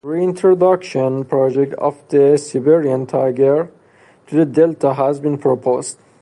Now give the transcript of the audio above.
A reintroduction project of the Siberian tiger to the delta has been proposed.